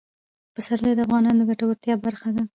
پسرلی د افغانانو د ګټورتیا برخه ده.